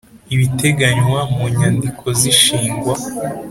ibiteganywa mu nyandiko z ishingwa